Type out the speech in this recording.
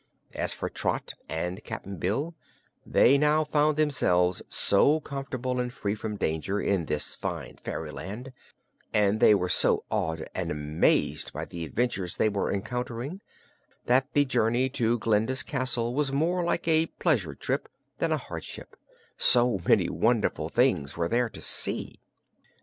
As for Trot and Cap'n Bill, they now found themselves so comfortable and free from danger, in this fine fairyland, and they were so awed and amazed by the adventures they were encountering, that the journey to Glinda's castle was more like a pleasure trip than a hardship, so many wonderful things were there to see.